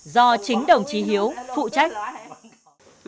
do chính đồng chí phan văn hiếu